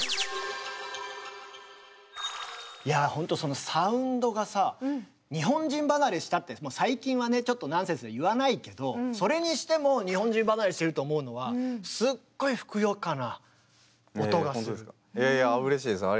いやあほんとそのサウンドがさ日本人離れしたってもう最近はねちょっとナンセンスで言わないけどそれにしても日本人離れしてると思うのはいやいやほんとですか。